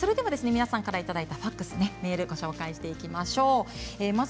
皆さんからいただいたファックスメールをご紹介していきましょう。